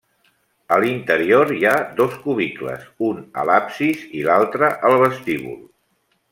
A l'interior hi ha dos cubicles, un a l'absis i l'altre al vestíbul.